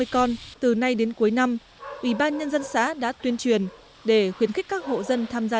bốn trăm năm mươi con từ nay đến cuối năm ủy ban nhân dân xã đã tuyên truyền để khuyến khích các hộ dân tham gia